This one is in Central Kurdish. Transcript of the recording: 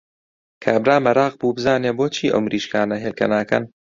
کابرا مەراق بوو بزانێ بۆچی ئەو مریشکانە هێلکە ناکەن!